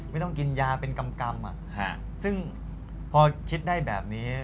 ไม่ต้องกินยาเป็นกรรมซึ่งพอคิดได้แบบนี้